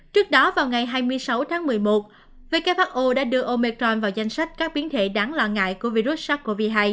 trước đó vào ngày hai mươi sáu tháng một mươi một who đã đưa omecron vào danh sách các biến thể đáng lo ngại của virus sars cov hai